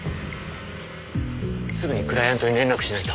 すぐにクライアントに連絡しないと。